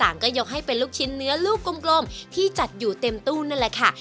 ก็ยกให้เป็นลูกชิ้นเนื้อลูกกลมที่จัดอยู่เต็มตู้นั่นแหละค่ะ